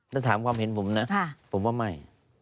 ถ้าถามความเห็นผมนะผมว่าไม่